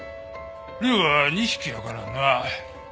龍は２匹やからな。